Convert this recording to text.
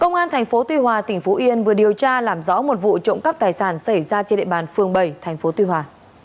công an thành phố tuy hòa tỉnh phú yên vừa điều tra làm rõ một vụ trộm cắp tài sản xảy ra trên địa bàn phường bảy tp tuy hòa